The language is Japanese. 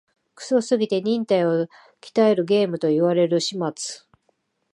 クソすぎて忍耐を鍛えるゲームと言われる始末